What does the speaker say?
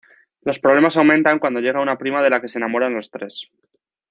Los problemas aumentan cuando llega una prima de la que se enamoran los tres.